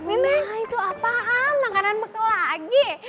neneknya itu apaan makanan bekal lagi